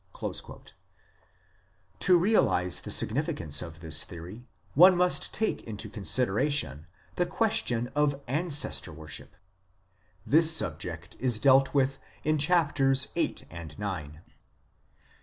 1 To realize the significance of this theory one must take into consideration the question of Ancestor worship ; this subject is dealt with in Chapters VIII.